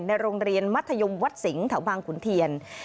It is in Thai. ในโรงเรียนมัธยมวัดสิงห์แถวบางขุนเทียน